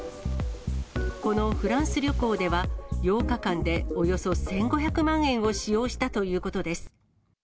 このフランス旅行では、８日間でおよそ１５００万円を使用したということです。